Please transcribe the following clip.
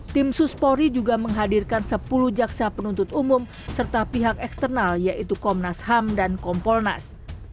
tim suspori juga menghadirkan sepuluh jaksa penuntut umum serta pihak eksternal yaitu komnas ham dan kompolnas